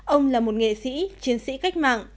ông là một nghệ sĩ chiến sĩ cách mạng